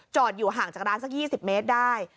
อยู่ห่างจากร้านสัก๒๐เมตรได้